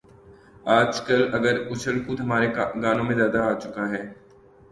آج کل اگر اچھل کود ہمارے گانوں میں زیادہ آ چکا ہے۔